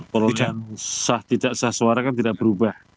perolehan sah tidak sah suara kan tidak berubah